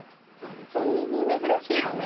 耳珍しいよね。